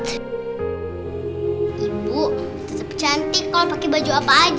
ibu tetap cantik kalau pakai baju apa aja